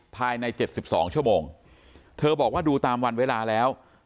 ภายใน๗๒ชั่วโมงเธอบอกว่าดูตามวันเวลาแล้ว